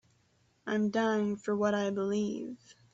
I'm dying for what I believe.